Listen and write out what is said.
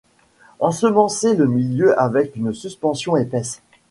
Ensemencer le milieu avec une suspension épaisse.